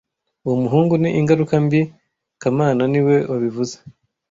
Uwo muhungu ni ingaruka mbi kamana niwe wabivuze